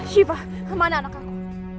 siva kemana anak aku